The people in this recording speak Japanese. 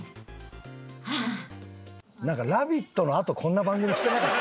なんか『ラヴィット！』のあとこんな番組してなかった？